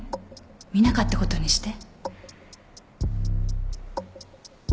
見なかったことにして